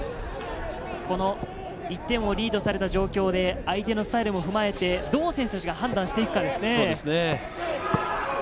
この１点をリードされた状況で、相手のスタイルも踏まえて、どう選手達が判断していくかですね。